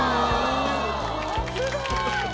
すごい。